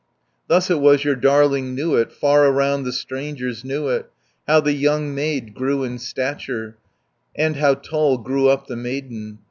"Thus it was your darling knew it, Far around the strangers knew it, 430 How the young maid grew in stature, And how tall grew up the maiden.